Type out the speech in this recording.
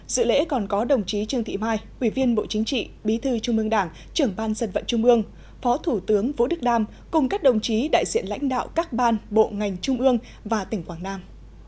dự lễ còn có đồng chí trương thị mai ủy viên bộ chính trị bí thư trung ương đảng trưởng ban dân vận trung ương phó thủ tướng vũ đức đam cùng các đồng chí đại diện lãnh đạo các ban bộ ngành trung ương và tỉnh quảng nam